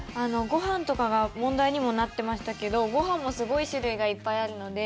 ご飯とかが問題にもなってましたけどご飯もすごい種類がいっぱいあるので。